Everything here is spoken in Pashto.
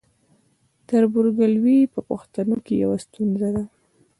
تربورګلوي په پښتنو کې یوه ستونزه ده.